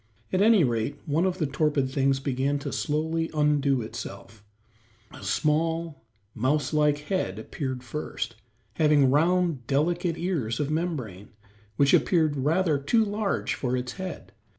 At any rate, one of the torpid things began to slowly undo itself; a small, mouse like head appeared first, having round, delicate ears of membrane, which appeared rather too large for its head.